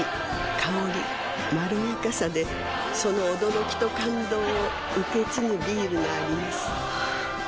香りまろやかさでその驚きと感動を受け継ぐビールがあります